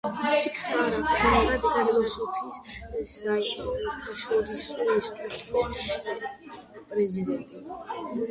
ფილოსოფიის საერთაშორისო ინსტიტუტის პრეზიდენტი.